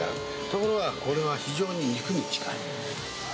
ところがこれが非常に肉に近い。